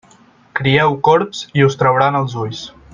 Crieu corbs i us trauran els ulls.